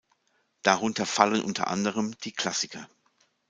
Darunter fallen unter anderem die Klassiker.